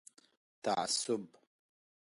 تعصب